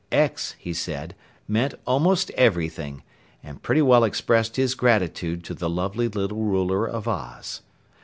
X, he said, meant almost everything, and pretty well expressed his gratitude to the lovely little ruler of Oz.